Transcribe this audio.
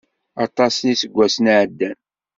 Aṭas n iseggasen i ɛeddan.